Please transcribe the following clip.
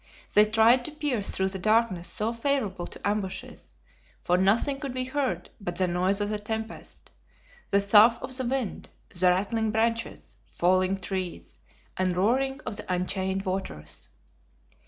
They tried to pierce through the darkness so favorable to ambushes, for nothing could be heard but the noise of the tempest, the sough of the wind, the rattling branches, falling trees, and roaring of the unchained waters.